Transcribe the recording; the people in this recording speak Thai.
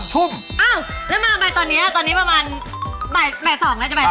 แล้วมามันตอนนี้ประมาณ